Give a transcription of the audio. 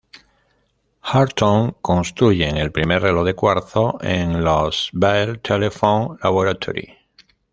Horton construyen el primer reloj de cuarzo en los Bell Telephone Laboratories.